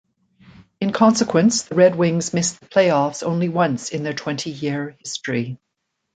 In consequence, the Red Wings missed the playoffs only once in their twenty-year history.